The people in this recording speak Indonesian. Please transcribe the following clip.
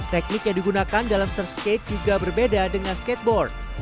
teknik yang digunakan dalam surfskate juga berbeda dengan skateboard